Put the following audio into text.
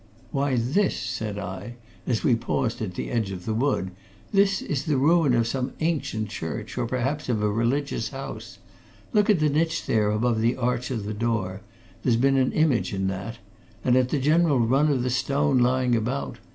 "Why this," said I, as we paused at the edge of the wood, "this is the ruin of some ancient church, or perhaps of a religious house! Look at the niche there above the arch of the door there's been an image in that and at the general run of the stone lying about.